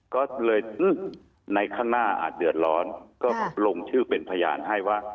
ก็เลยในข้างหน้าอาจเดือดร้อนก็ลงชื่อเป็นพยานให้ว่า